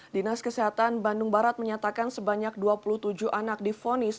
dinas kesehatan bandung barat menyatakan sebanyak dua puluh tujuh anak difonis